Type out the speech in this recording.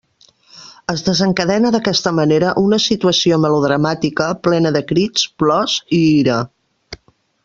Es desencadena d'aquesta manera una situació melodramàtica plena de crits, plors i ira.